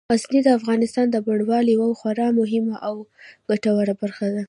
غزني د افغانستان د بڼوالۍ یوه خورا مهمه او ګټوره برخه ده.